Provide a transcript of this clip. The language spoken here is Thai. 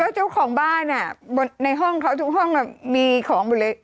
เจ้าของบ้านในห้องเขาทุกห้องมีของหมดเลย